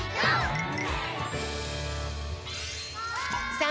さあ